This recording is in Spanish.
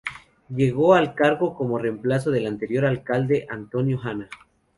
Llegó al cargo como reemplazo del anterior alcalde, Antonio Hanna.